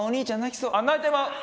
あっ泣いてまう。